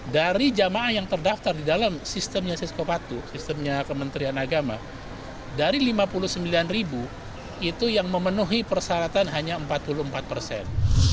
dari jamaah yang terdaftar di dalam sistemnya siskopatu sistemnya kementerian agama dari lima puluh sembilan ribu itu yang memenuhi persyaratan hanya empat puluh empat persen